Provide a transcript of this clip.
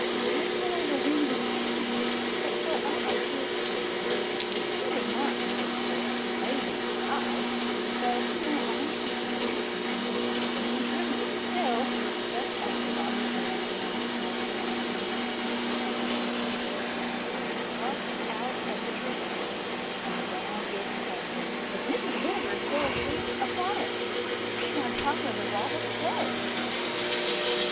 "It is only the wind in the trees." But for all his cheerfulness he was not really very brave inside, so he went on trembling and shaking and shaking and trembling, till, just as the robbers were beginning to parcel out the money, he actually shook the door right out of the tree fork, and down it came — with Mrs. Vinegar still asleep upon it — right on top of the robbers' heads